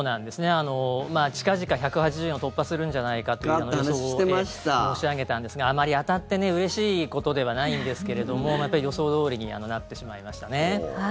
近々１８０円を突破するんじゃないかという話を申し上げたんですがあまり当たってうれしいことではないんですが予想どおりになってしまいました。